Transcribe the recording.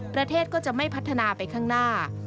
ประเทศก็จะไม่พัฒนาไปข้างหน้า